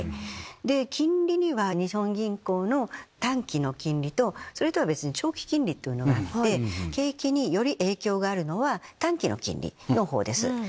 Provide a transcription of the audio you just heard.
金利には日本銀行の短期の金利とそれとは別に長期金利というのがあって景気により影響があるのは短期の金利の方です。